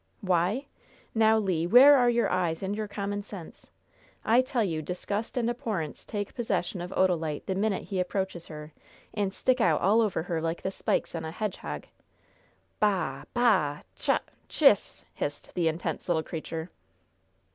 "Why? Now, Le, where are your eyes and your common sense? I tell you disgust and abhorrence take possession of Odalite the minute he approaches her, and stick out all over her like the spikes on a hedgehog. Bah! bah! Tchut! Tchis!" hissed the intense little creature.